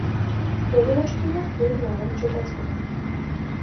Погоныштыжо кум нарынче тасма.